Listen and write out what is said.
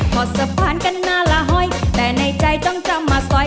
พอสะพานกันหน้าละห้อยแต่ในใจต้องจำมาซอย